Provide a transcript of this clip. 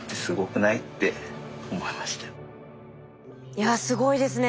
いやすごいですね。